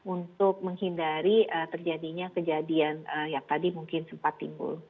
untuk menghindari terjadinya kejadian yang tadi mungkin sempat timbul